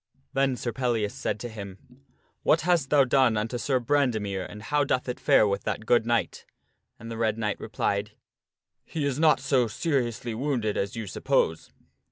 Then Sir Pellias said PELLIAS TAKES SIR ADRESACK'S ARMOR 221 to him, " What hast thou done unto Sir Brandemere and how doth it fare with that good knight?" And the Red Knight replied, "He is not so seriously wounded as you suppose."